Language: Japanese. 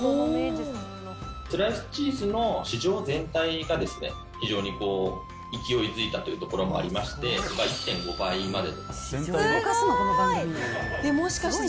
スライスチーズの市場全体が、非常に勢いづいたというところもありまして、１．５倍まで伸びました。